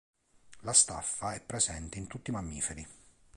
La staffa è presente in tutti i mammiferi.